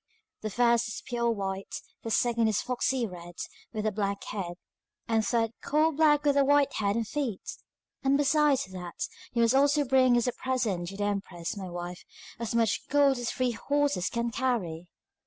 The first is pure white, the second a foxy red with a black head, the third coal black with a white head and feet. And besides that, you must also bring as a present to the empress, my wife, as much gold as the three horses can carry.